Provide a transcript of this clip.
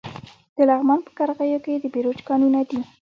د لغمان په قرغیو کې د بیروج کانونه دي.